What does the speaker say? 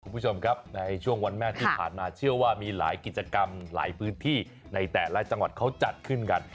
คุณผู้ชมครับในช่วงวันแม่ที่ผ่านมาเชื่อว่ามีหลายกิจกรรมหลายพื้นที่ในแต่ละจังหวัดเขาจัดขึ้นกัน